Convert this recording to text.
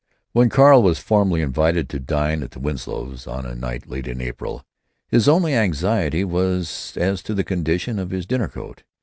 When Carl was formally invited to dine at the Winslows', on a night late in April, his only anxiety was as to the condition of his dinner coat.